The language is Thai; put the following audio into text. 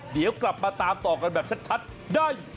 เดี๋ยวกลับมาตามต่อกันแบบชัดได้